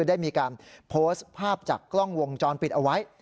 ได้มีการโพสต์ภาพจากกล้องวงจรปิดเอาไว้